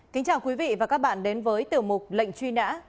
kính chào quý vị và các bạn đến với tiểu mục lệnh truy nã